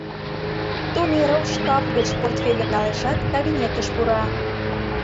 Тумеров шкаф гыч портфельым налешат, кабинетыш пура.